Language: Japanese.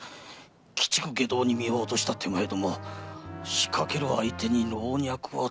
鬼畜外道に身を堕とした手前ども仕掛ける相手に老若は問いませぬが。